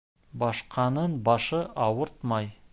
Башҡаның башы ауыртмай.